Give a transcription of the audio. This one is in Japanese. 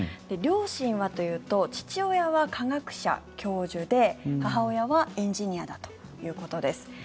両親はというと父親は科学者、教授で母親はエンジニアだということです。